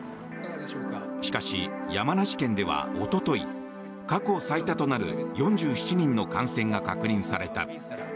しかし、山梨県ではおととい過去最多となる４７人の感染が確認された。